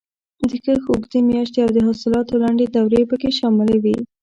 د کښت اوږدې میاشتې او د حاصلاتو لنډې دورې پکې شاملې وې.